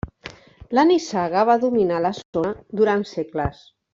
La nissaga va dominar la zona durant segles.